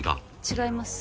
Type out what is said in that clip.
違います。